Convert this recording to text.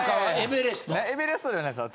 エベレストじゃないんですよ。